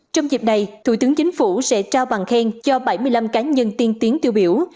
trong dịp này thủ tướng chính phủ sẽ trao bằng khen cho bảy mươi năm cá nhân tiên tiến tiêu biểu